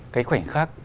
cái khoảnh khắc